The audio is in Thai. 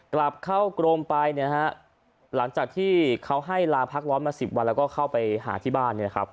กลับเข้ากรมไปหลังจากที่เขาให้ลาพักว้อนมา๑๐วันแล้วก็เข้าไปหาที่บ้าน